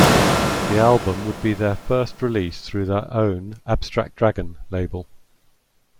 The album would be their first release through their own "Abstract Dragon" label.